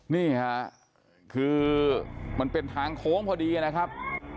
นี่ค่ะคือมันเป็นทางโค้งพอดีนะครับ